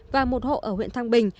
và một hộ ở huyện thăng bình